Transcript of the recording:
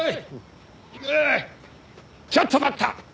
ちょっと待った！